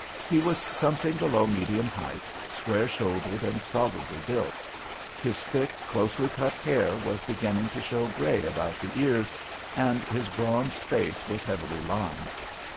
He was something below medium height, square shouldered and solidly built. His thick, closely cut hair was beginning to show grey about the ears, and his bronzed face was heavily lined.